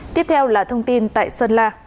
tiếp theo là thông tin tại sơn la